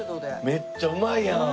めっちゃうまいやん！